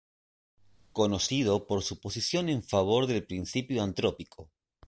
Conocido por su posición en favor del principio antrópico.